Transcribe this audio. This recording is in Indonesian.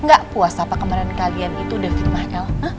gak puas apa kemarin kalian itu udah firma el